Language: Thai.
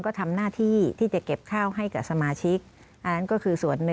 ก็ทำหน้าที่ที่จะเก็บข้าวให้กับสมาชิกก็คือส่วน๑